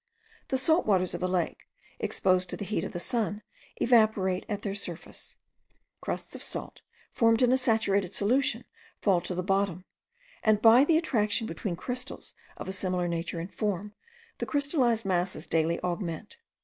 The salt waters of the lake, exposed to the heat of the sun, evaporate at their surface; crusts of salt, formed in a saturated solution, fall to the bottom; and by the attraction between crystals of a similar nature and form, the crystallized masses daily augment.